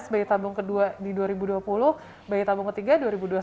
sebagai tabung kedua di dua ribu dua puluh bayi tabung ketiga dua ribu dua puluh satu